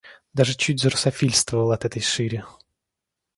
Даже чуть зарусофильствовал от этой шири!